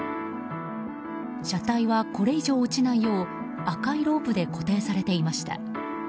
車体は、これ以上落ちないよう赤いロープで固定されていました。